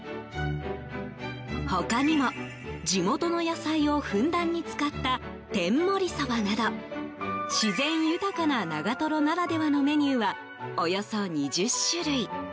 他にも地元の野菜をふんだんに使った天もりそばなど自然豊かな長瀞ならではのメニューは、およそ２０種類。